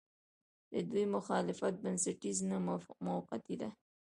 د دوی مخالفت بنسټیز نه، موقعتي دی.